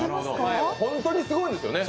本当にすごいんですよね